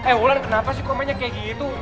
eh wulan kenapa sih komennya kayak gitu